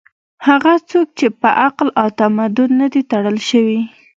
هغه څوک چې په عقل او تمدن نه دي تړل شوي